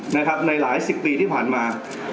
ในหลายสิบปีที่ผ่านมา